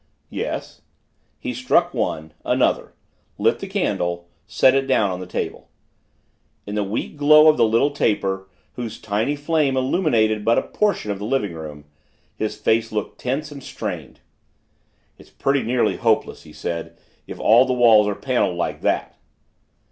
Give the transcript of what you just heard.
"Yes." He struck one another lit the candle set it down on the table. In the weak glow of the little taper, whose tiny flame illuminated but a portion of the living room, his face looked tense and strained. "It's pretty nearly hopeless," he said, "if all the walls are paneled like that."